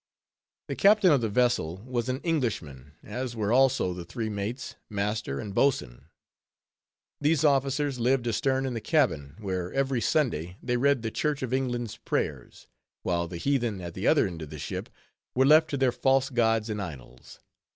The captain of the vessel was an Englishman, as were also the three mates, master and boatswain. These officers lived astern in the cabin, where every Sunday they read the Church of England's prayers, while the heathen at the other end of the ship were left to their false gods and idols.